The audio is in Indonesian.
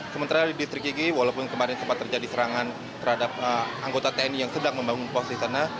sementara di distrik yigi walaupun kemarin sempat terjadi serangan terhadap anggota tni yang sedang membangun pos di sana